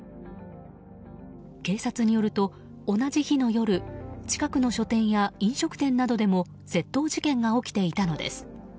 警察によると、同じ日の夜近くの書店や飲食店などでも窃盗事件が起きていたのです。